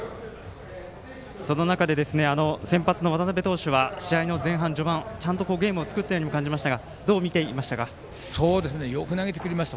その中で、先発の渡邉投手は試合の序盤、前半はちゃんとゲームを作ったように感じましたがよく投げてくれました。